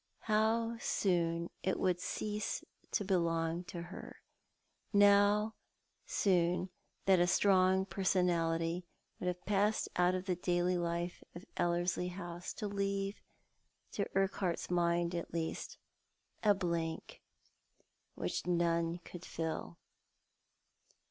How soon it would cease to belong to her — now soon that strong personality would have passed out of the daily life of Ellerslie House, leaving — to Urquhart's mind at least — a blank which none could fill.